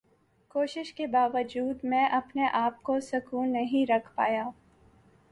کوشش کے باوجود میں اپنے آپ کو سکون نہیں رکھ پایا۔